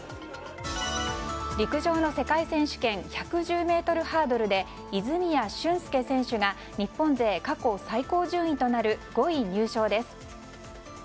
陸上の世界選手権１１０ｍハードルで泉谷駿介選手が日本勢過去最高順位となる５位入賞です。